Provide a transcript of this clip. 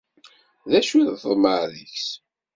D acu i teḍmeε deg-s?